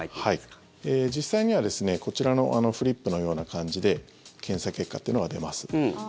はい、実際にはこちらのフリップのような感じで検査結果というのは出ます。